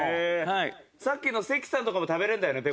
さっきの関さんとかも食べれるんだよね？